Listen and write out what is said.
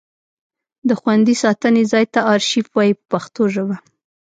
د خوندي ساتنې ځای ته ارشیف وایي په پښتو ژبه.